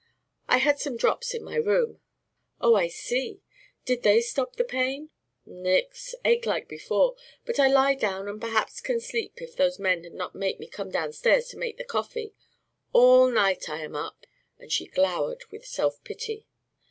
I had some drops in my room." "Oh, I see. Did they stop the pain?" "Nix. Ache like before, but I lie down and perhaps can sleep if those men have not make me come downstairs to make the coffee. All night I am up." And she glowered with self pity.